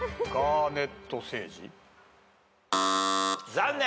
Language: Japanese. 残念！